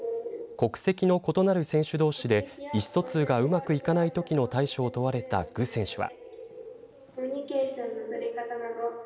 国籍の異なる選手どうしで意思疎通がうまくいかないときの対処を問われた具選手は。